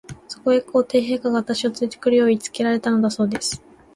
そこへ、皇帝陛下が、私をつれて来るよう言いつけられたのだそうです。